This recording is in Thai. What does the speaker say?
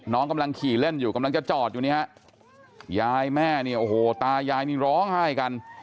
กำลังขี่เล่นอยู่กำลังจะจอดอยู่นี่ฮะยายแม่เนี่ยโอ้โหตายายนี่ร้องไห้กัน